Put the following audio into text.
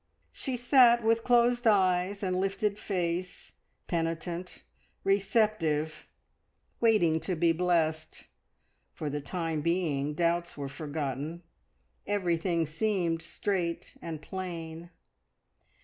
She sat with closed eyes and lifted face, penitent, receptive, waiting to be blessed. For the time being doubts were forgotten, everything seemed straight and plain.